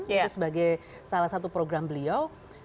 itu sebagai salah satu program beliau